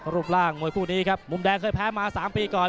รูปร่างมวยคู่นี้ครับมุมแดงเคยแพ้มา๓ปีก่อน